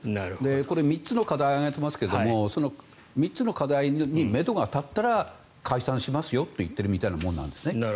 これ、３つの課題を挙げていますが３つの課題にめどが立ったら解散しますよと言ってるようなもんなんですね。